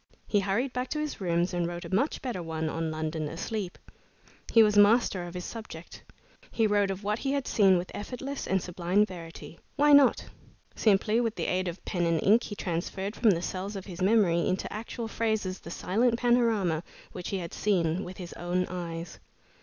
He hurried back to his rooms and wrote a much better one on "London Asleep." He was master of his subject. He wrote of what he had seen with effortless and sublime verity. Why not? Simply with the aid of pen and ink he transferred from the cells of his memory into actual phrases the silent panorama which he had seen with his own eyes.